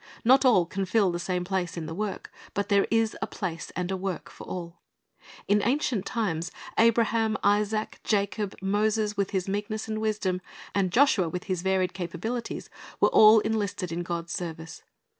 Not all can fill the same place in the work, but there is a place and a work for all. In ancient times, Abraham, Isaac, Jacob, Moses with his meekness and wisdom, and Joshua with his varied capabilities, were all enlisted in God's service.